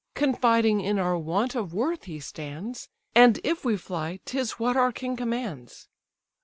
Confiding in our want of worth, he stands; And if we fly, 'tis what our king commands.